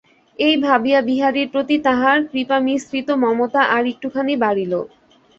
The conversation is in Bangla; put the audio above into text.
এই ভাবিয়া বিহারীর প্রতি তাঁহার কৃপামিশ্রিত মমতা আর-একটুখানি বাড়িল।